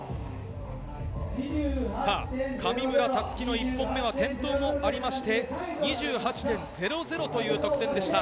上村竜生の１本目は転倒もありまして２８．００という得点でした。